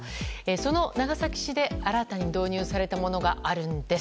その長崎市で新たに導入されたものがあるんです。